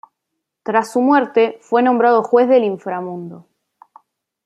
Tras su muerte, fue nombrado juez del inframundo.